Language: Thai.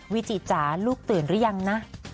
วิจิจ๋าลูกตื่นหรือยังนะ